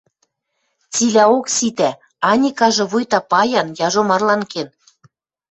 Цилӓок ситӓ, Аникажы вуйта паян, яжо марлан кен.